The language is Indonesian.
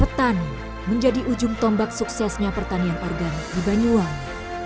ketan menjadi ujung tombak suksesnya pertanian organik di banyuwangi